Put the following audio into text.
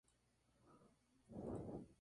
La portada románica se encuentra en el lado Sur.